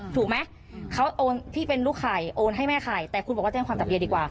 ถูกไหมเขาโอนที่เป็นลูกไข่โอนให้แม่ขายแต่คุณบอกว่าแจ้งความจับเดียดีกว่า